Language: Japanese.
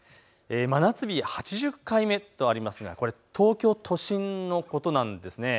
真夏日８０回目とありますがこれ、東京都心のことなんです。